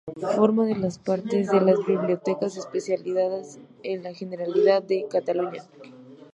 Forma parte de las Bibliotecas Especializadas de la Generalidad de Cataluña.